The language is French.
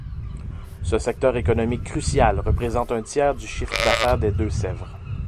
Ce secteur économique crucial représente un tiers du chiffre d'affaires des Deux-Sèvres.